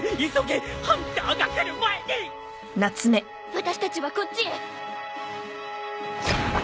私たちはこっちへ！